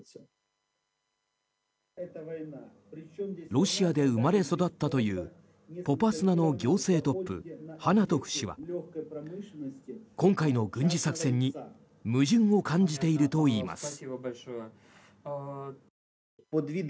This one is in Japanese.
ロシアで生まれ育ったというポパスナの行政トップハナトフ氏は今回の軍事作戦に矛盾を感じているといいます。